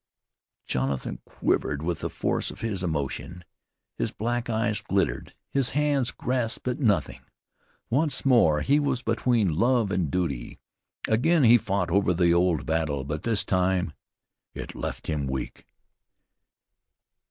Jonathan quivered with the force of his emotion. His black eyes glittered; his hands grasped at nothing. Once more he was between love and duty. Again he fought over the old battle, but this time it left him weak.